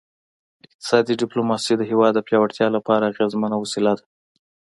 اقتصادي ډیپلوماسي د هیواد د پیاوړتیا لپاره اغیزمنه وسیله ده